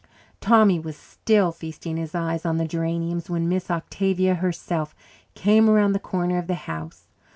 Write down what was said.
Tommy was still feasting his eyes on the geraniums when Miss Octavia herself came around the corner of the house.